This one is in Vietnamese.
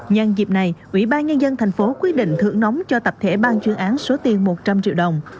nhân dịp này ủy ban nhân dân thành phố quyết định thưởng nóng cho tập thể ban chuyên án số tiền một trăm linh triệu đồng